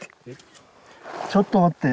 ちょっと待って。